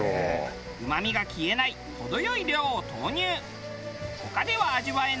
うまみが消えない程よい量を投入。